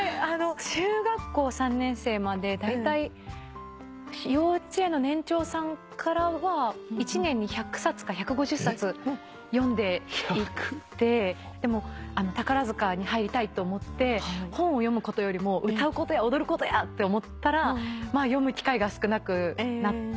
中学校３年生までだいたい幼稚園の年長さんからは１年に１００冊か１５０冊読んでいてでも宝塚に入りたいと思って本を読むことよりも歌うことや踊ることやって思ったら読む機会が少なくなって。